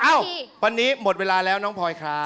เอ้าวันนี้หมดเวลาแล้วน้องพลอยครับ